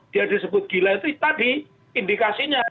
dia disebut gila itu tadi indikasinya